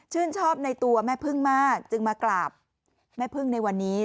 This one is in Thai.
ชอบในตัวแม่พึ่งมากจึงมากราบแม่พึ่งในวันนี้